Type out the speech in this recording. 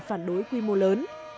phản đối quy mô lớn